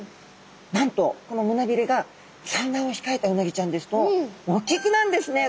なんとこの胸びれが産卵をひかえたうなぎちゃんですとおっきくなるんですね